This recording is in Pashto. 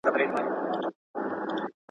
اروايي روغتیا د جسمي روغتیا په څېر مهمه ده.